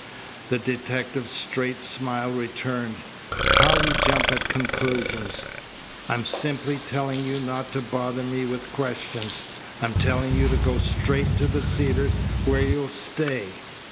The detective's straight smile returned. "How we jump at conclusions! I'm simply telling you not to bother me with questions. I'm telling you to go straight to the Cedars where you'll stay.